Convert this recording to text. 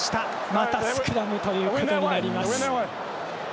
またスクラムということになります。